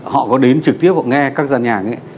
họ có đến trực tiếp họ nghe các dàn nhạc ấy